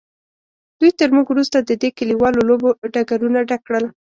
دوی تر موږ وروسته د دې کلیوالو لوبو ډګرونه ډک کړل.